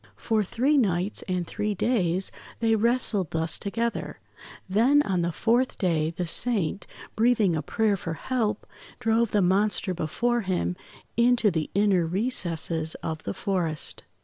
For three nights and three days, they wrestled thus together, then on the fourth day the Saint, breathing a prayer for help, drove the monster before him into the inner recesses of the forest.